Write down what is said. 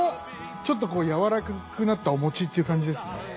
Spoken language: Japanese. ちょっとこうやわらかくなったお餅っていう感じですね。